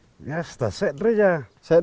kemberehatan anche yang yang lain